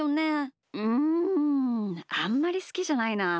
うんあんまりすきじゃないな。